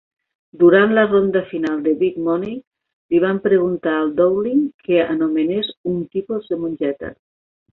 Durant la ronda final de "Big Money", li van preguntar a Dowling que anomenés "un tipus de mongeta".